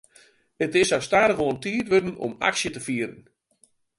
It is sa stadichoan tiid wurden om aksje te fieren.